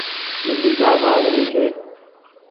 ٻلي ڪآ ڀآگ ري ڇي۔